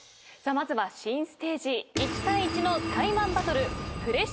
まずは新ステージ１対１のタイマンバトル。